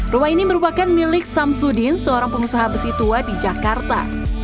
rumah ini merupakan milik samsudin seorang pengusaha besi tua di jakarta